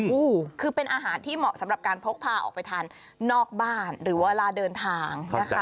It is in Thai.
โอ้โหคือเป็นอาหารที่เหมาะสำหรับการพกพาออกไปทานนอกบ้านหรือเวลาเดินทางนะคะ